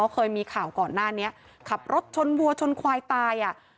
เคยมีข่าวก่อนหน้านี้ขับรถชนวัวชนควายตายอ่ะ